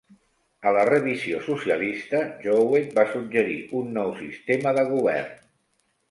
A la "Revisió Socialista" Jowett va suggerir un nou sistema de govern.